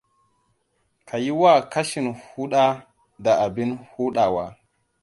Ka yi wa kashin huda da abin hudawa.